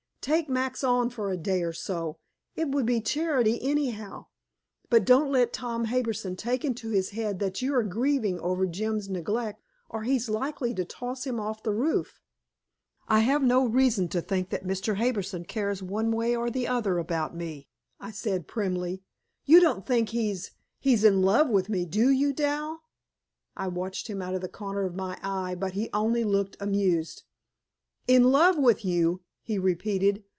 Take Max on for a day or so; it would be charity anyhow. But don't let Tom Harbison take into his head that you are grieving over Jim's neglect, or he's likely to toss him off the roof." "I have no reason to think that Mr. Harbison cares one way or the other about me," I said primly. "You don't think he's he's in love with me, do you, Dal?" I watched him out of the corner of my eye, but he only looked amused. "In love with you!" he repeated.